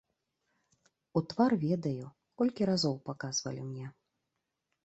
У твар ведаю, колькі разоў паказвалі мне.